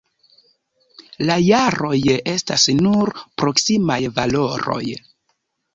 La jaroj estas nur proksimaj valoroj.